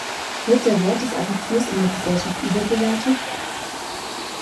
Wird der Wert des Abiturs in der Gesellschaft überbewertet?